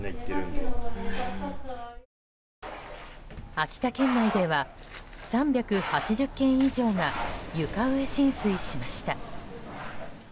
秋田県内では３８０軒以上が床上浸水しました。